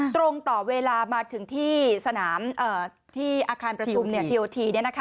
ตรงต่อเวลามาถึงที่สนามที่อาคารประชุมทีโอที